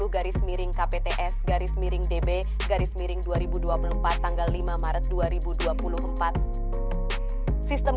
empat puluh garis miring kpts garis miring db garis miring dua ribu dua puluh empat tanggal lima maret